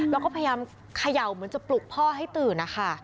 แล้วก็พยายามเขย่าเหมือนจะปลุกพ่อให้ตื่นนะคะ